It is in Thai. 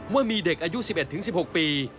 ว่ามีเด็กอายุ๑๑๑๖ปี